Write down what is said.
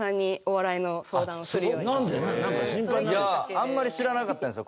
あんまり知らなかったんですよ